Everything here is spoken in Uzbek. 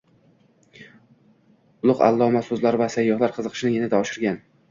Ulug‘ alloma so‘zlari esa sayyohlar qiziqishini yanada oshirgan